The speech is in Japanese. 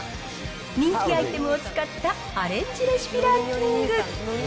人気アイテムを使ったアレンジレシピランキング。